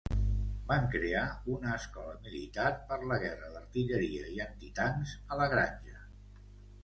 Van crear una escola militar per la guerra d'artilleria i antitancs a la granja.